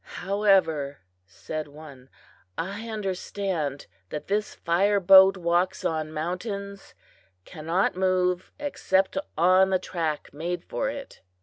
"However," said one, "I understand that this fire boat walks on mountains cannot move except on the track made for it."